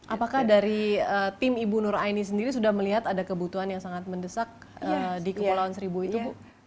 apakah dari tim ibu nur aini sendiri sudah melihat ada kebutuhan yang sangat mendesak di kepulauan seribu itu bu